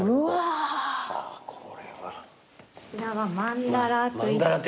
こちらは曼荼羅といって。